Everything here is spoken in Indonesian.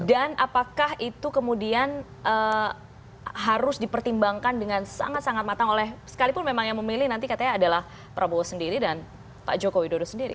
dan apakah itu kemudian harus dipertimbangkan dengan sangat sangat matang oleh sekalipun memang yang memilih nanti katanya adalah prabowo sendiri dan pak joko widodo sendiri